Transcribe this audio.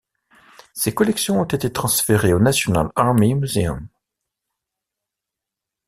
Ses collections ont été transférées au National Army Museum.